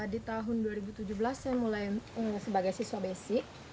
di tahun dua ribu tujuh belas saya mulai sebagai siswa basic